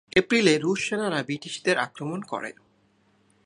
এপ্রিলে রুশ সেনারা ব্রিটিশদের আক্রমণ করে।